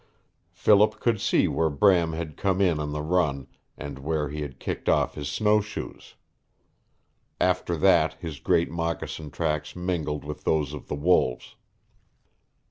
Philip could see where Bram had come in on the run, and where he had kicked off his snowshoes. After that his great moccasin tracks mingled with those of the wolves.